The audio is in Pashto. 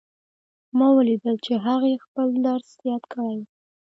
ما ولیدل چې هغې خپل درس یاد کړی وو